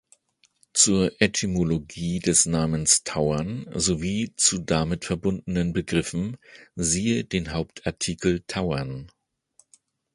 Zur Etymologie des Namens "Tauern", sowie zu damit verbundenen Begriffen, siehe den Hauptartikel Tauern.